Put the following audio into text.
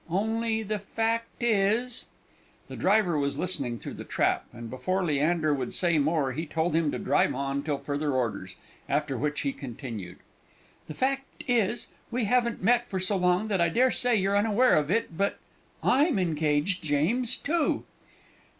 Only the fact is " The driver was listening through the trap, and before Leander would say more he told him to drive on till further orders, after which he continued "The fact is we haven't met for so long that I dare say you're unaware of it but I'm engaged, James, too!"